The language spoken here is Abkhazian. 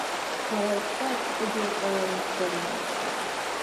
Лара лхы ахькыдылҟьара лыздыруам.